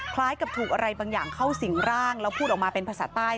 คล้ายกับถูกอะไรบางอย่างเข้าสิ่งร่างแล้วพูดออกมาเป็นภาษาใต้